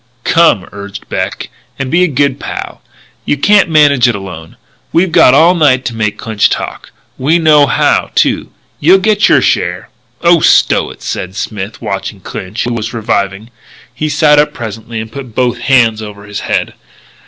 "Come," urged Beck, "and be a good pal. You can't manage it alone. We've got all night to make Clinch talk. We know how, too. You'll get your share " "Oh, stow it," said Smith, watching Clinch, who was reviving. He sat up presently, and put both hands over his head.